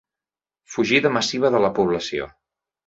Fugida massiva de la població.